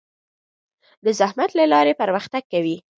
د زحمت له لارې پرمختګ کوي.